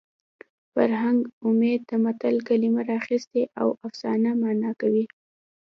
فرهنګ عمید د متل کلمه راخیستې او افسانه مانا کوي